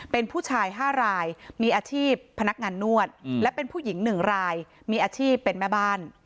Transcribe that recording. เป็นผู้ชาย๕รายมีอาชีพพนักงานนวดและเป็นผู้หญิง๑รายมีอาชีพเป็นแม่บ้าน